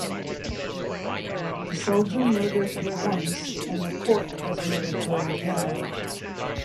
The soldier murdered her once and the court has murdered her again.